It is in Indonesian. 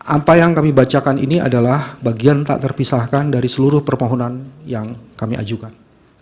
apa yang kami bacakan ini adalah bagian tak terpisahkan dari seluruh permohonan yang kami ajukan